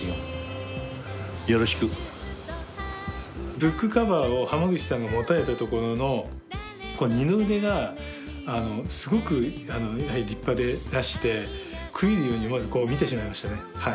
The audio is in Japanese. ブックカバーを浜口さんが持たれたところの二の腕がすごく立派でらして食い入るように思わずこう見てしまいましたね。